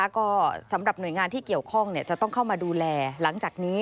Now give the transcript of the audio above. ก็สำหรับหน่วยงานที่เกี่ยวข้องจะต้องเข้ามาดูแลหลังจากนี้